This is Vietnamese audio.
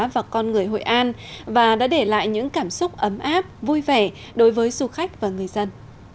và con người hội an và đã để lại những cảm xúc ấm áp vui vẻ đối với du khách và người dân